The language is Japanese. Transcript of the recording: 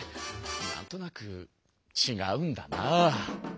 なんとなくちがうんだな！